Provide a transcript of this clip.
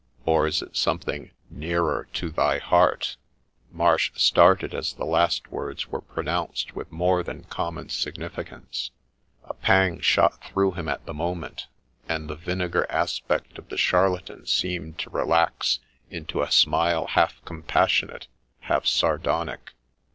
or is it something nearer to thy heart ?' Marsh started as the last words were pronounced with more than common significance : a pang shot through him at the moment, and the vinegar aspect of the charlatan seemed to relax into a smile half compassionate, half sardonic.